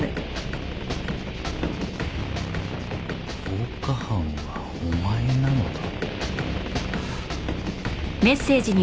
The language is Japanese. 「放火犯はお前なのだ」